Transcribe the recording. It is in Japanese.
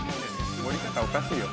盛り方おかしいよ。